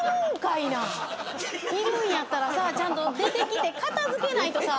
いるんやったらちゃんと出てきて片付けないとさ。